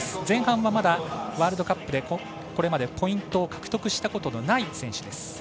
前半は、まだワールドカップでこれまでポイントを獲得したことのない選手です。